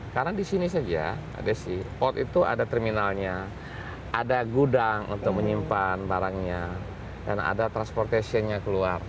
karena di sini saja ada sih port itu ada terminalnya ada gudang untuk menyimpan barangnya dan ada transportation nya keluar